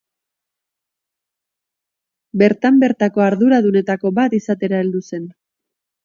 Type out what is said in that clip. Bertan bertako arduradunetako bat izatera heldu zen.